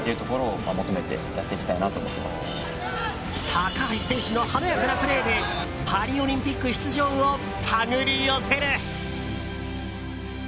高橋選手の華やかなプレーでパリオリンピック出場を手繰り寄せる。